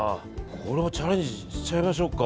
俺もチャレンジしちゃいましょうか。